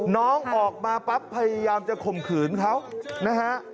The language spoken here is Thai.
น้องออกมาปั๊บพยายามจะข่มขืนเขานะฮะ